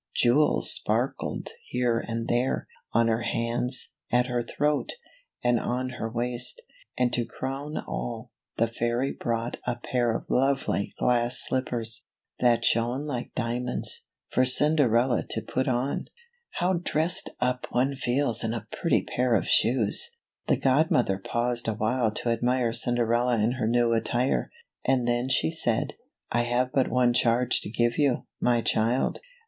Jewels sparkled here and there — on her hands — at her throat — and on her waist; and to crown all, the fairy brought a pair of lovely glass slippers — that shone like dia monds — for Cinderella to put on. H ow dressed up one feels in a pretty pair of shoes ! The godmother paused awhile to admire Cinderella in her new attire, and then she said, " I have but one charge to give you, my child.